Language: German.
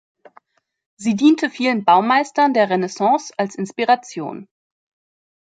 Sie diente vielen Baumeistern der Renaissance als Inspiration.